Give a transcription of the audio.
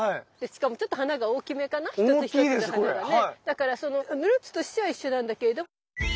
だからそのルーツとしては一緒なんだけれど。